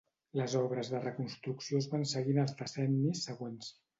Les obres de reconstrucció es van seguir en els decennis següents.